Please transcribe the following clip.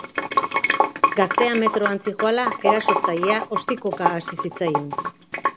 Gaztea metroan zihoala, erasotzailea ostikoka hasi zitzaion.